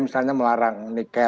misalnya melarang nikah